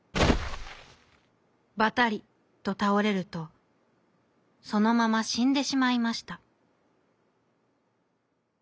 バタリとたおれるとそのまましんでしまいました。